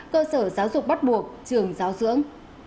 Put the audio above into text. cơ sở giáo dục bắt buộc trường giáo dưỡng